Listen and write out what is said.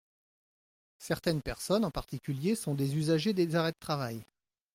Certaines personnes, en particulier, sont des usagers des arrêts de travail.